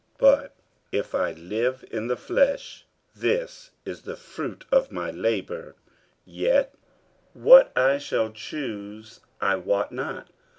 50:001:022 But if I live in the flesh, this is the fruit of my labour: yet what I shall choose I wot not.